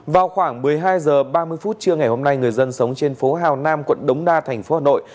vào khoảng một mươi hai h ba mươi phút trưa ngày hôm nay người dân sống trên phố hào nam quận đống đa thành phố hà nội